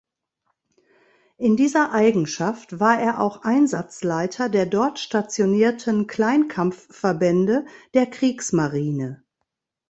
In dieser Eigenschaft war er auch Einsatzleiter der dort stationierten Kleinkampfverbände der Kriegsmarine.